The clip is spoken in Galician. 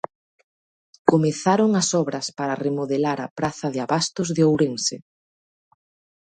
Comezaron as obras para remodelar a praza de abastos de Ourense.